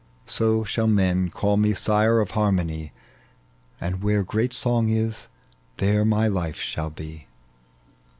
So shall men call me sire of harmony, And where great Song is, there my life sball be."